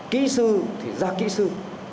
kỹ sư thì ra kỹ sư